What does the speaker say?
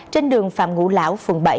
trên đường phạm ngũ lão phường bảy